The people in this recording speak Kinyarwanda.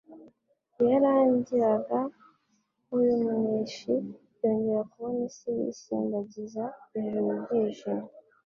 iyarangiraga nk'uy'umuneshi. Yongera kubona isi yisimbagiza, ijuru ryijimye,